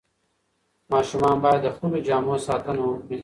ماشومان باید د خپلو جامو ساتنه وکړي.